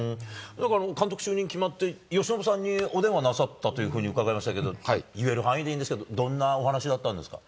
監督就任決まって、由伸さんにお電話なさったというふうに伺いましたけれども、言える範囲でいいんですけど、どんなお話だったんですか。